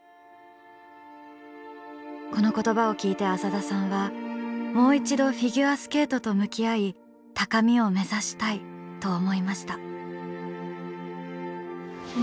この言葉を聞いて浅田さんは「もう一度フィギュアスケートと向き合い高みを目指したい」と思いました。